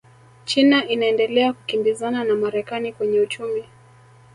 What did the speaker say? china inaendelea kukimbizana na marekani kwenye uchumi